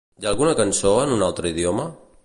Hi ha alguna cançó en un altre idioma?